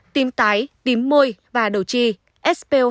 tím tái tím môi và đầu chi spo hai dưới chín mươi năm